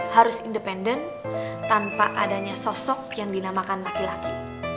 harus independen tanpa adanya sosok yang dinamakan laki laki